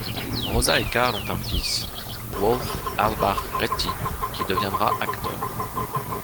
Rosa et Karl ont un fils, Wolf Albach-Retty qui deviendra acteur.